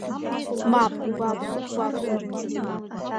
Мап, убааԥсуп, убааԥсуп!